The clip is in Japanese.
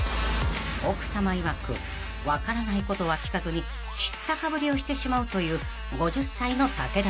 ［奥さまいわく分からないことは聞かずに知ったかぶりをしてしまうという５０歳の武田さん］